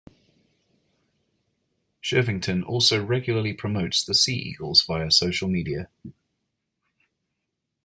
Shirvington also regularly promotes the Sea Eagles via social media.